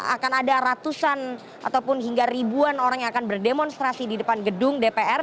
akan ada ratusan ataupun hingga ribuan orang yang akan berdemonstrasi di depan gedung dpr